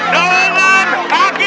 sobri dari ramin nusul